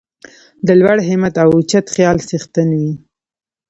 د لوړ همت او اوچت خیال څښتن وي.